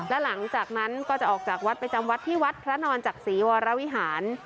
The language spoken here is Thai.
และหลังจากนั้นก็จะออกจากวัดไปจำวัดที่วัดพระนอนจักษีวรวิหาร